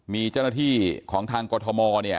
มีเจ้าหน้าที่ของทางกรทม